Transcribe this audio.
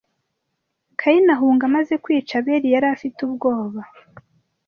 Kayini ahunga amaze kwica Abeli yarafite ubwoba